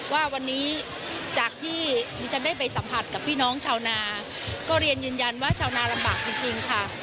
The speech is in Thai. ว่าวันนี้จากที่ดิฉันได้ไปสัมผัสกับพี่น้องชาวนาก็เรียนยืนยันว่าชาวนาลำบากจริงค่ะ